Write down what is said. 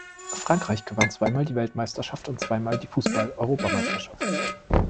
Frankreich gewann zweimal die Weltmeisterschaft und zweimal die Fußball-Europameisterschaft.